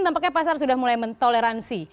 nampaknya pasar sudah mulai mentoleransi